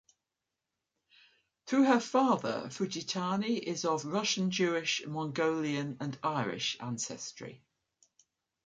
Through her father, Fujitani is of Russian-Jewish, Mongolian and Irish ancestry.